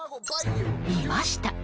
いました！